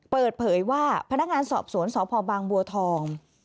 เปิดเผยว่าพนักงานสอบสวนสพบางบัวทอง